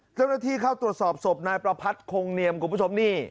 เจ้าหน้าที่เข้าตรวจสอบศพนายประพัทธ์คงเนียมคุณผู้ชมนี่